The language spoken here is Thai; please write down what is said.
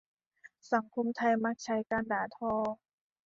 สังคมไทยมักใช้การด่าทอ